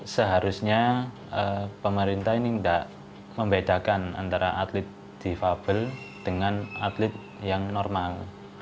seharusnya pemerintah ini tidak membedakan antara atlet defable dengan atlet yang normal